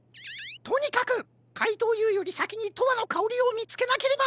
とにかくかいとうＵよりさきに「とわのかおり」をみつけなければ！